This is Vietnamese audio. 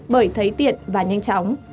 bởi thấy tiện và nhanh chóng